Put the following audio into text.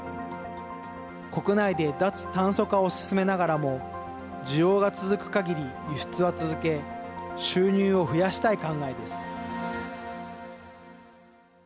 国内で脱炭素化を進めながらも需要が続く限り輸出は続け収入を増やしたい考えです。